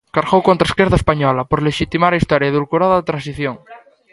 Cargou contra a esquerda española por lexitimar a historia edulcorada da transición.